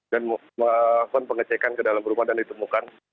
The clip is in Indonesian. dan mengakuan pengecekan ke dalam rumah dan ditemukan